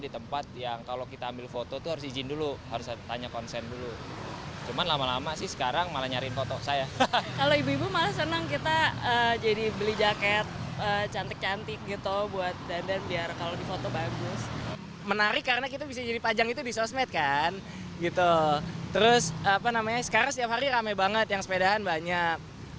terus sekarang setiap hari rame banget yang sepedahan banyak